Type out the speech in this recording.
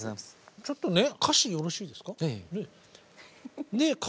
ちょっとね歌詞よろしいですか。